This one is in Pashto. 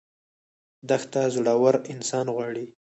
دښته زړور انسان غواړي.